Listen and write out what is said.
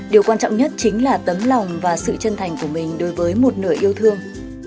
điều quan trọng nhất chính là tấm lòng và sự chân thành của mình đối với một nửa yêu thương